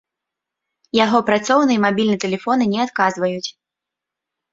Яго працоўны і мабільны тэлефоны не адказваюць.